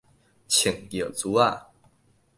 穿尿苴仔